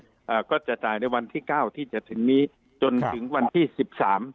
อ่าก็จะจ่ายในวันที่เก้าที่จะถึงนี้จนถึงวันที่สิบสาม